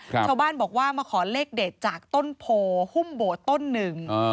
ชาวบ้านบอกว่ามาขอเลขเด็ดจากต้นโพหุ้มโบดต้นหนึ่ง